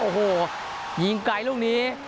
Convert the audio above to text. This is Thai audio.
โอ้โหยิงไกลลูกนี้